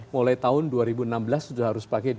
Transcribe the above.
mulai tahun dua ribu enam belas sudah harus pakai b dua puluh